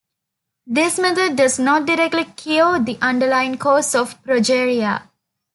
This method does not directly "cure" the underlying cause of progeria.